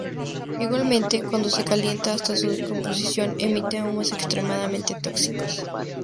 Igualmente, cuando se calienta hasta su descomposición, emite humos extremadamente tóxicos.